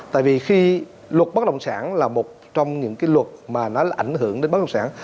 tại vì khi luật bất động sản là một trong những cái luật mà nó là ảnh hưởng đến bất đồng sản